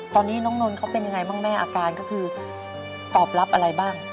ตอนนี้น้องนนท์เขาเป็นยังไงบ้างแม่อาการก็คือตอบรับอะไรบ้าง